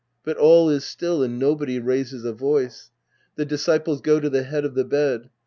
But all is still and nobody raises a voice. The disciples go to tlie head of the bed.